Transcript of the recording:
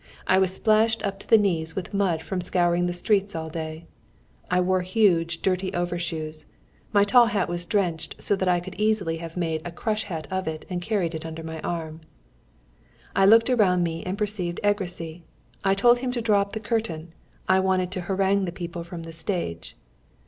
I was splashed up to the knees with mud from scouring the streets all day. I wore huge, dirty overshoes, my tall hat was drenched, so that I could easily have made a crush hat of it and carried it under my arm. I looked around me and perceived Egressy. I told him to draw up the curtain, I wanted to harangue the people from the stage.